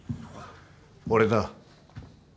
俺だ。